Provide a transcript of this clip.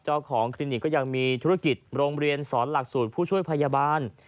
คลินิกก็ยังมีธุรกิจโรงเรียนสอนหลักสูตรผู้ช่วยพยาบาล